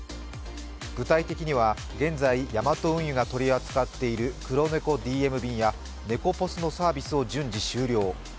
具体的には現在ヤマト運輸が取り扱っているクロネコＤＭ便やネコポスのサービスを順次終了。